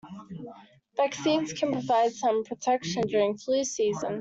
Vaccines can provide some protection during flu season.